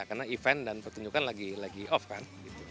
karena event dan pertunjukan lagi off kan